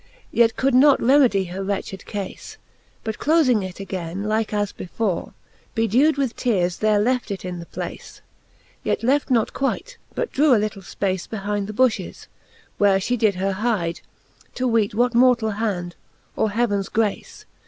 Yet could not remedie her wretched cafe, But clofing it againe, like as before, Bedeaw'd with teares there left it in the place : Yet left not quite, but drew a litle fpace Behind the bufhes, where fhe her did hyde, To weet what mortall hand, or heavens grace.